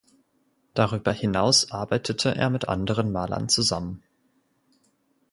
Darüber hinaus arbeitete er mit anderen Malern zusammen.